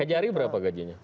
kejari berapa gajinya